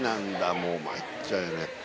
もうまいっちゃうよね。